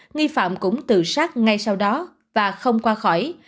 nghi phạm cũng tự sát ngay sau đó và không qua khỏi